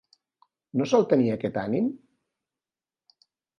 No sol tenir aquest ànim?